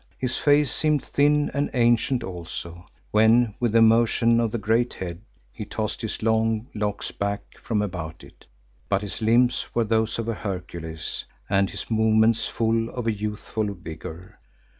His face seemed thin and ancient also, when with a motion of the great head, he tossed his long locks back from about it, but his limbs were those of a Hercules and his movements full of a youthful vigour.